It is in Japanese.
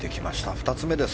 ２つ目です。